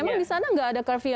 emang di sana gak ada curfew